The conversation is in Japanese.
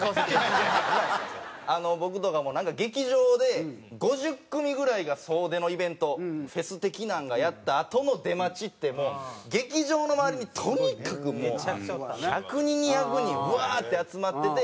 僕とかもなんか劇場で５０組ぐらいが総出のイベントフェス的なんがやったあとの出待ちって劇場の周りにとにかくもう１００人２００人ブワーッて集まってて。